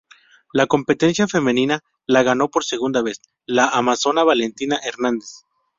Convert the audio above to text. La competencia femenina la ganó por segunda vez la amazona Valentina Hernández.